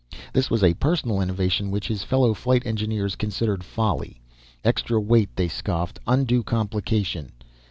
This was a personal innovation which his fellow flight engineers considered folly. Extra weight, they scoffed. Undue complication.